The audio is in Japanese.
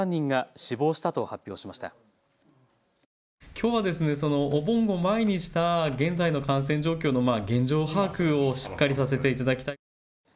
きょうはお盆を前にした現在の感染状況の現状把握をしっかりさせていただきたい。